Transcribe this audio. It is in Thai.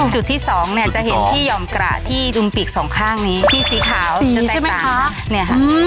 จุดที่๒เนี่ยจะเห็นที่หย่อมกระที่อุ่นปีก๒ข้างนี้ที่สีขาวจะแตกต่างนี่ฮะ